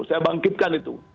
saya bangkitkan itu